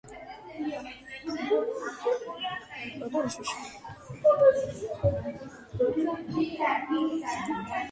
ზებრა თეთრია შავი ზოლებით და არა პირიქით.